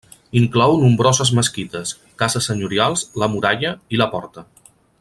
Inclou nombroses mesquites, cases senyorials, la muralla i la porta.